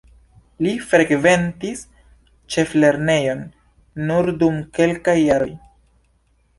Li frekventis ĉeflernejon nur dum kelkaj jaroj.